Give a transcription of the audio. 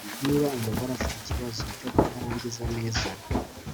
niba umugore afite ikibazo cyo kutarangiza neza